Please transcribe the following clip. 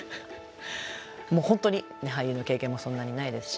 もう本当に俳優の経験もそんなにないですし。